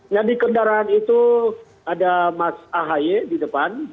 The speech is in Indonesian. nah di kendaraan itu ada mas ahaye di depan